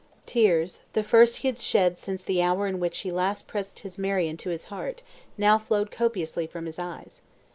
Tears, the first he had shed since the hour in which he last pressed his Marion to his heart, now flowed copiously from his eyes.